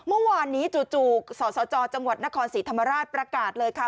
เมื่อวานนี้จู่สสจจังหวัดนครศรีธรรมราชประกาศเลยค่ะ